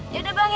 yaudah bang ya